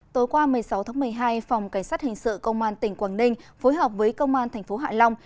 tối qua một mươi sáu tháng một mươi hai phòng cảnh sát hình sự công an tỉnh quảng ninh phối hợp với công an tp hạ long